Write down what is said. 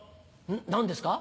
何ですか？